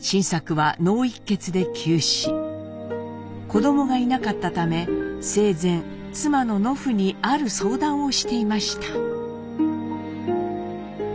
子どもがいなかったため生前妻の乃ふにある相談をしていました。